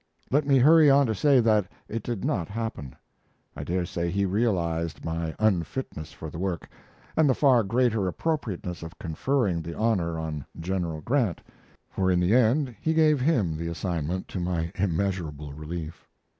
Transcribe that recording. Let me hurry on to say that it did not happen. I dare say he realized my unfitness for the work, and the far greater appropriateness of conferring the honor on General Grant, for in the end he gave him the assignment, to my immeasurable relief.